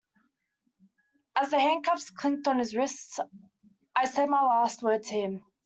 As the handcuffs clinked on his wrists I said my last word to him.